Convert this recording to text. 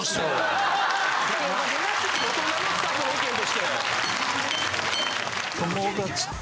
大人のスタッフの意見として。